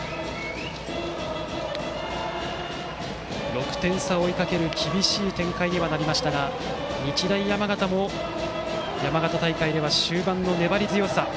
６点差を追いかける厳しい展開になりましたが日大山形も、山形大会では終盤の粘り強さ。